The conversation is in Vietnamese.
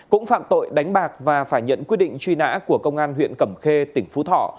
cũng phạm tội đánh bạc và phải nhận quyết định truy nã của công an huyện cẩm khê tỉnh phú thọ